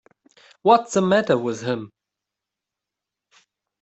What's the matter with him.